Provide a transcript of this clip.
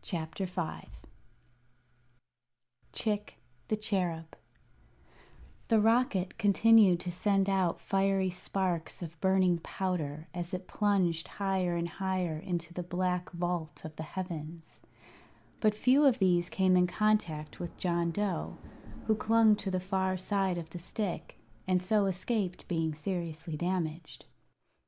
Chick, the Cherub The rocket continued to send out fiery sparks of burning powder as it plunged higher and higher into the black vault of the heavens; but few of these came in contact with John Dough, who clung to the far side of the stick and so escaped being seriously damaged.